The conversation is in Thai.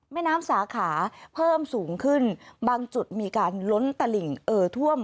แม่น้ำสาขาเพิ่มสูงขึ้นบางจุดมีการล้นตลิ่งเอ่อท่วม